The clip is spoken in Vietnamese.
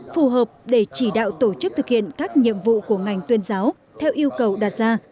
phù hợp để chỉ đạo tổ chức thực hiện các nhiệm vụ của ngành tuyên giáo theo yêu cầu đặt ra